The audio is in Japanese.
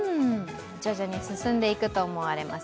徐々に進んでいくと思われます。